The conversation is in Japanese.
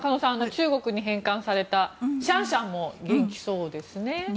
中国に返還されたシャンシャンも元気そうですね。